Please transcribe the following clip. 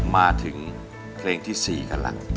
มาถึงเพลงที่๔กันล่ะ